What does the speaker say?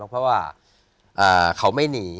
เพราะว่าเขาไม่หนี